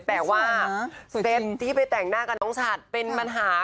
แต่ว่าเซ็นที่ไปแต่งหน้ากับน้องฉัดเป็นปัญหา